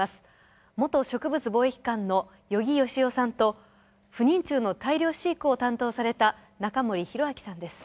元植物防疫官の与儀喜雄さんと不妊虫の大量飼育を担当された仲盛広明さんです。